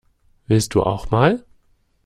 Willst du auch mal?